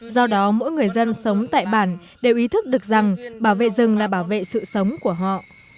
do đó mỗi người dân sống tại bản đều ý thức được rằng bảo vệ rừng là bảo vệ sự sống của họ